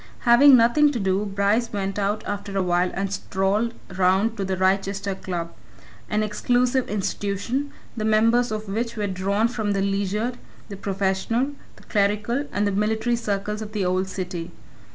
Having nothing to do, Bryce went out after a while and strolled round to the Wrychester Club an exclusive institution, the members of which were drawn from the leisured, the professional, the clerical, and the military circles of the old city.